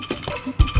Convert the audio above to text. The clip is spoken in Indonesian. ketemu di pasar